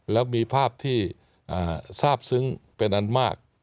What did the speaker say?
แล้วมีภาพที่ทราบซึ้งเป็นอันมาก